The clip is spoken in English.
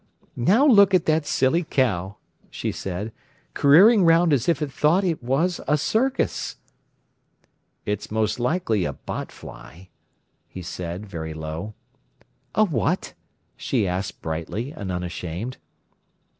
"Now look at that silly cow!" she said, "careering round as if it thought it was a circus." "It's most likely a bottfly," he said very low. "A what?" she asked brightly and unashamed.